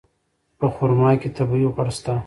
په خرما کې طبیعي غوړ شته.